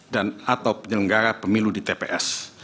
dan atau penyelenggara pemilu di tps